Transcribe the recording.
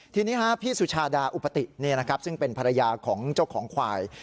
ทีนี้พี่สุชาดาอุปติซึ่งเป็นภรรยาของเจ้าของควาย